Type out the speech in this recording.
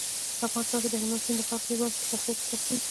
په افغانستان کې هلمند سیند د خلکو د ژوند په کیفیت تاثیر کوي.